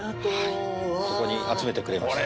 はいここに集めてくれました